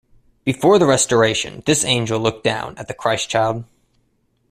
Before the restoration this angel looked down at the Christ child.